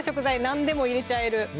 何でも入れちゃえる